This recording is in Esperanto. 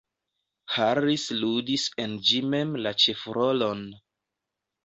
Harris ludis en ĝi mem la ĉefrolon.